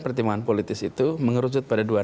pertimbangan politis itu mengerujut pada dua